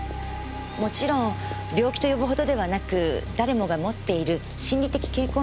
もちろん病気と呼ぶほどではなく誰もが持っている心理的傾向のようなものです。